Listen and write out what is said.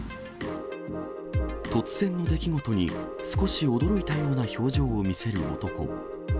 突然の出来事に、少し驚いたような表情を見せる男。